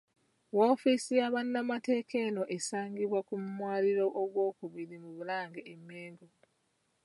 Woofiisi ya bannamateeka eno esangibwa ku mwaliro ogwokubiri mu Bulange e Mmengo.